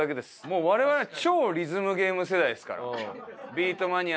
もう我々超リズムゲーム世代ですから。